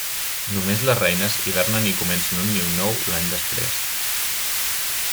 Només les reines hibernen i comencen un niu nou l'any després.